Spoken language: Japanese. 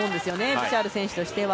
ブシャール選手としては。